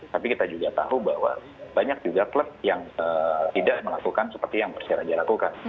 tapi kita juga tahu bahwa banyak juga klub yang tidak melakukan seperti yang persiraja lakukan